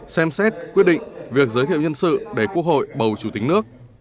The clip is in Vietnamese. xem xét quyết định việc giới thiệu nhân sự để quốc hội bầu chủ tịch nước